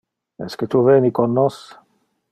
Esque tu veni con nos?